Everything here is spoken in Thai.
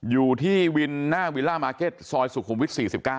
อยู่ที่วินหน้าวิลล่ามาร์เก็ตซอยสุขุมวิท๔๙